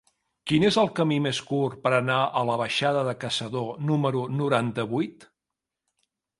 Quin és el camí més curt per anar a la baixada de Caçador número noranta-vuit?